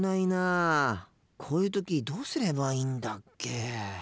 こういう時どうすればいいんだっけ？